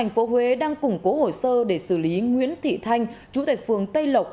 công an tp huế đang củng cố hồ sơ để xử lý nguyễn thị thanh chú tại phường tây lộc